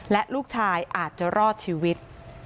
และลูกชายอาจจะรอดชีวิต